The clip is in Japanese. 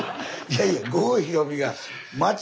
いやいや。